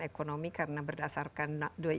ekonomi karena berdasarkan